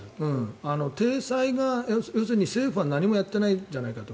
体裁が要するに政府は何もやっていないじゃないかと。